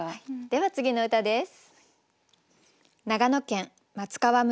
では次の歌です。